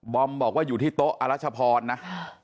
อมบอกว่าอยู่ที่โต๊ะอรัชพรนะ